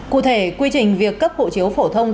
cụ thể quy trình việc cấp hộ chiếu phổ thông